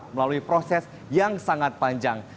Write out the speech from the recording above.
melalui proses yang sangat panjang